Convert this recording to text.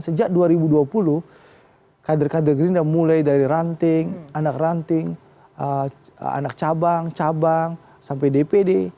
sejak dua ribu dua puluh kader kader gerindra mulai dari ranting anak ranting anak cabang cabang sampai dpd